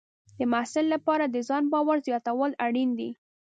د محصل لپاره د ځان باور زیاتول اړین دي.